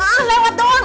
ah lewat doang